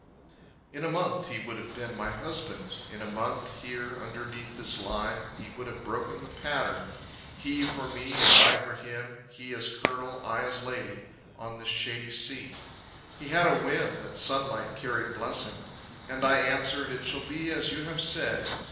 In a month he would have been my husband, In a month, here, underneath this lime, We would have broke the pattern; He for me, and I for him, He as Colonel, I as lady, On this shady seat. He had a whim That sunlight carried blessing. And I answered, "It shall be as you have said."